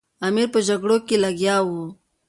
امیر په جګړو کې لګیا وو.